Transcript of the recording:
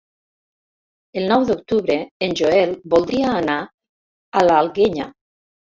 El nou d'octubre en Joel voldria anar a l'Alguenya.